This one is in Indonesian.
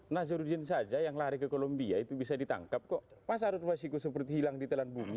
nazaruddin saja yang lari ke kolombia itu bisa ditangkap kok mas harun masjid q seperti hilang ditelan bumi